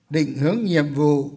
định hướng nhiệm vụ